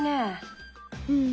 うん。